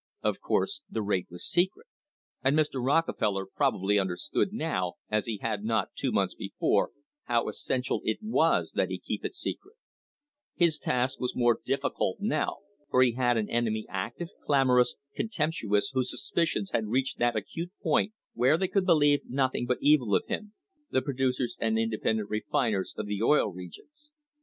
Of course the rate was secret, and Mr. Rockefeller probably understood now, as he had not two months before, how essen * See Appendix, Number 14. Testimony of Henry M. Flagler. [ 100] THE OIL WAR OF 1872 tial iijsvas that he keep it secret. His task was more difficult now, for he had an enemy active, clamorous, contemptuous, whose suspicions had reached that acute point where they could believe nothing but evil of him — the producers and independent refiners of the Oil Regions.